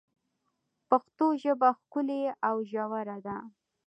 پښتو ژبه ښکلي او ژوره ده.